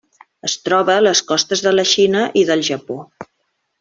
Es troba a les costes de la Xina i del Japó.